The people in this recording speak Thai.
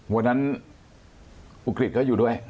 วันนั้นอุกฤษก็อยู่ด้วย